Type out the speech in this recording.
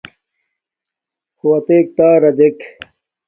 ہݸ اتݵَک تݳرݺ دݵک.